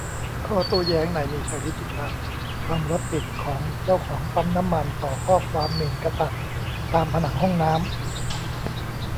ข้อโต้แย้งนายมีชัย ฤชุพันธุ์ : ความรับผิดของเจ้าของปั๊มน้ำมัน ต่อข้อความหมิ่นกษัตริย์ตามผนังห้องน้ำ